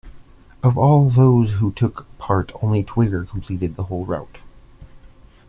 Of all those who took part only Twigger completed the whole route.